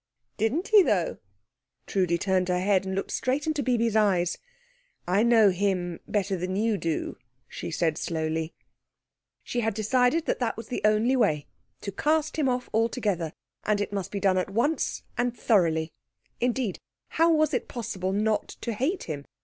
"Didn't he, though?" Trudi turned her head, and looked straight into Bibi's eyes. "I know him better than you do," she said slowly. She had decided that that was the only way to cast him off altogether; and it must be done at once and thoroughly. Indeed, how was it possible not to hate him?